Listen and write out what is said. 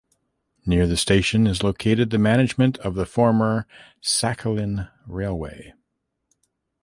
Near the station is located the management of the former Sakhalin Railway.